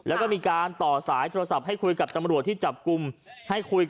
เอ๊ะตรวจตำรวจหน่อย